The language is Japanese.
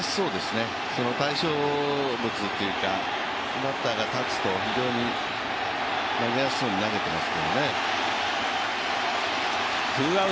対象物というか、対象物というか、バッターが立つと非常に投げやすそうに投げてます。